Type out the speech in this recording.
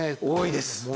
多いです。